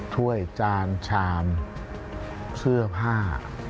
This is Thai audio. ถ้วยจานชามเสื้อผ้า